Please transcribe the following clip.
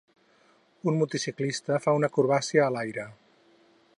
Un motociclista fa una acrobàcia a l'aire.